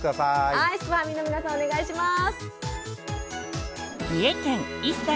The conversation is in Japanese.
はいすくファミの皆さんお願いします。